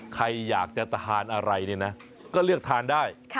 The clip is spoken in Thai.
ใครอยากจะทานอะไรเนี่ยนะก็เลือกทานได้